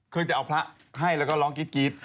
เคยจะเอาพระให้แล้วก็ร้องกรี๊ด